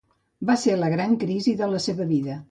Va ésser la gran crisi de la seva vida.